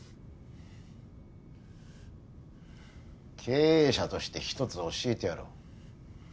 経営者として一つ教えてやろう。